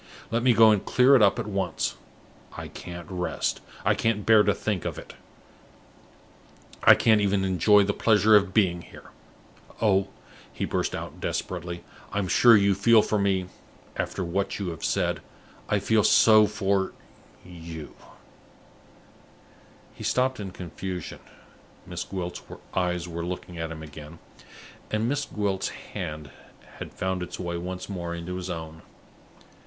Let me go and clear it up at once. I can't rest; I can't bear to think of it; I can't even enjoy the pleasure of being here. Oh," he burst out desperately, "I'm sure you feel for me, after what you have said I feel so for you!" He stopped in confusion. Miss Gwilt's eyes were looking at him again, and Miss Gwilt's hand had found its way once more into his own.